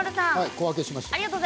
小分けしました。